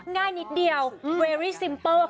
ง่ายนิดเดียวสิมเปิล